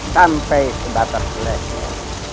tanpa sebatas beratnya